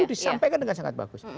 itu disampaikan dengan sangat bagus